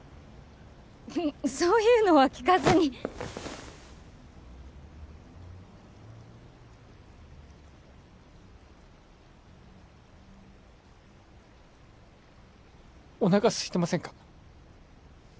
そういうのは聞かずにおなかすいてませんか？